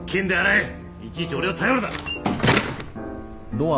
いちいち俺を頼るな！